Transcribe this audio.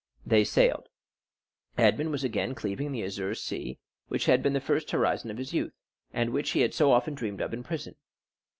They sailed; Edmond was again cleaving the azure sea which had been the first horizon of his youth, and which he had so often dreamed of in prison.